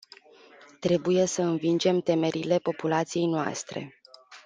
Trebuie să învingem temerile populației noastre.